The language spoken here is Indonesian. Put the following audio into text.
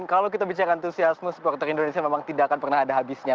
kalau kita bicara antusiasme supporter indonesia memang tidak akan pernah ada habisnya